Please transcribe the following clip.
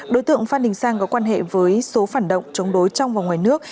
đối tượng phan đình sang có quan hệ với số phản động chống đối trong và ngoài nước